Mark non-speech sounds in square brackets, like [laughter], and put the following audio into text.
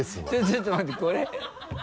ちょっと待ってこれ [laughs]